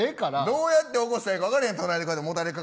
どうやって起こしたらいいか分からへん。